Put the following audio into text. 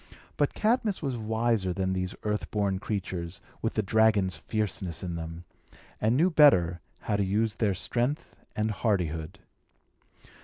But Cadmus was wiser than these earth born creatures, with the dragon's fierceness in them, and knew better how to use their strength and hardihood.